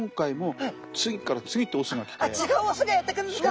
でも違う雄がやって来るんですか！？